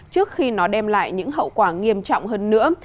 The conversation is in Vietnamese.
trước khi nó đem lại những hậu quả nghiêm trọng hơn nữa